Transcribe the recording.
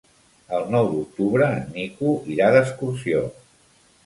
El nou d'octubre en Nico irà d'excursió.